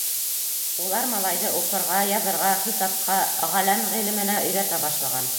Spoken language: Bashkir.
Улар малайҙы уҡырға, яҙырға, хисапҡа, ғаләм ғилеменә өйрәтә башлаған.